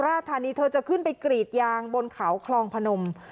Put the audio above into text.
ทำไมจุฬาธานีเธอจะขึ้นไปกรีบยางบนเขาคลองพนม